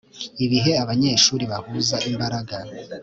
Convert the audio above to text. Ibihe abanyeshuri bahuza imbaraga